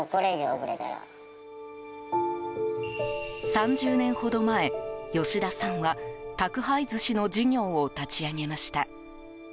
３０年ほど前、吉田さんは宅配寿司の事業を立ち上げました。